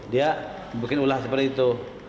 dia bikin ulah seperti itu